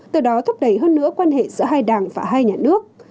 từ đó thúc đẩy hơn nữa quan hệ giữa hai đảng và hai nhà nước